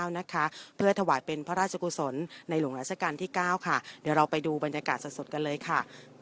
เดี๋ยวถวายเป็นพระราชกุศลในหลวงราชการที่๙ค่ะเดี๋ยวเราไปดูบรรยากาศสดกันเลยค่ะ